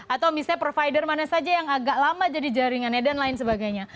atau misalnya provider mana saja yang agak lama jadi jaringannya dan lain sebagainya